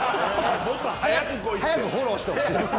もっと早く来いって。早くフォローしてほしい。